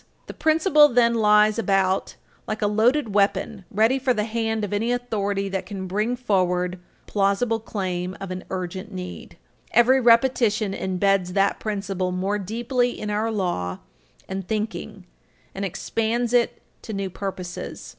The principle then lies about like a loaded weapon, ready for the hand of any authority that can bring forward a plausible claim of an urgent need. Every repetition imbeds that principle more deeply in our law and thinking and expands it to new purposes.